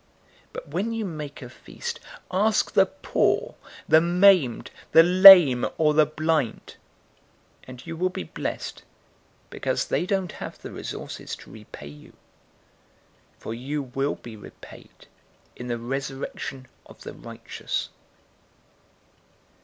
014:013 But when you make a feast, ask the poor, the maimed, the lame, or the blind; 014:014 and you will be blessed, because they don't have the resources to repay you. For you will be repaid in the resurrection of the righteous."